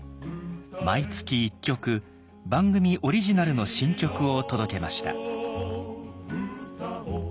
毎月１曲番組オリジナルの新曲を届けました。